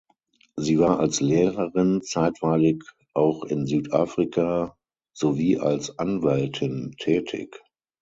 Sie war als Lehrerin, zeitweilig auch in Südafrika, sowie als Anwältin tätig.